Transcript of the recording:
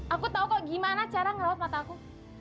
aku tau kok gimana cara ngerawat mata aku